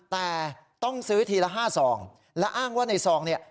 แต่ต้องซื้อทีละ๕ซองและอ้างว่าในซองเนี่ย